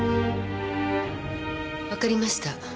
わかりました。